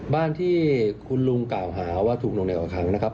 บ้านที่คุณลุงกล่าวหาว่าถูกลงในออกคังนะครับ